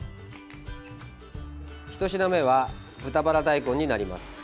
１品目は豚バラ大根になります。